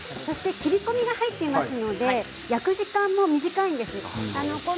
切り込みが入っていますので焼く時間も短いんです。